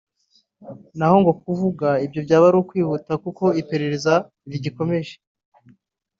naho ngo kuvuga ibyo byaba ari ukwihuta kuko iperereza rigikomeje